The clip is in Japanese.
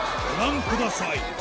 ご覧ください